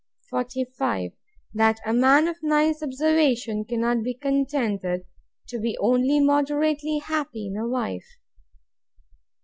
45. That a man of nice observation cannot be contented to be only moderately happy in a wife.